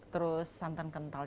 terus santan kental